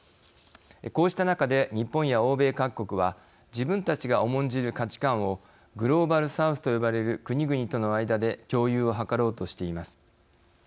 こうした中で日本や欧米各国は自分たちが重んじる価値観をグローバル・サウスと呼ばれる国々との間で共有をはかろうとしています。